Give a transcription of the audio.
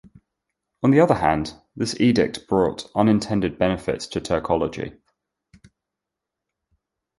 On the other hand, this edict brought unintended benefits to Turkology.